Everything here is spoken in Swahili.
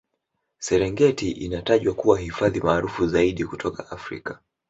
serengeti inatajwa kuwa hifadhi maarufu zaidi kutoka africa